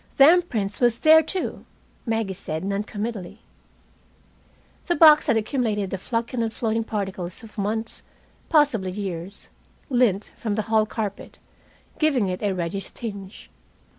"Them prints was there, too," Maggie said, non committally. The box had accumulated the flocculent floating particles of months, possibly years lint from the hall carpet giving it a reddish tinge.